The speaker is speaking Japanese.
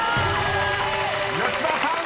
［吉澤さん